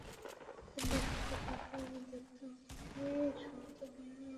প্রচণ্ড শীতের রাতেও আমি দেখতাম, তুমি সন্তর্পণে আমাকে ঘুমে রেখে তাহাজ্জদের নামাজে বসতে।